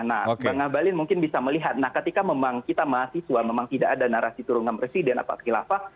nah bang ngabalin mungkin bisa melihat nah ketika memang kita mahasiswa memang tidak ada narasi turunan presiden atau khilafah